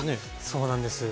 そうなんです。